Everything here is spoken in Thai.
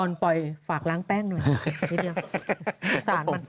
ปล่อยฝากล้างแป้งหน่อยนิดเดียวสารมัน